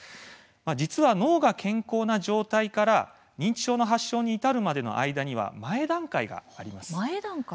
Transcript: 実は脳が健康な状態から認知症の発症に至るまでの間には前段階があります。